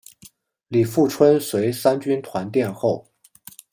李富春随三军团殿后。